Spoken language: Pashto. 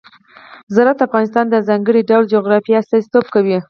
زراعت د افغانستان د ځانګړي ډول جغرافیه استازیتوب کوي.